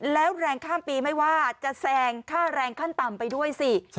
แล้วแรงข้ามปีไม่ว่าจะแซงค่าแรงขั้นต่ำไปด้วยสิ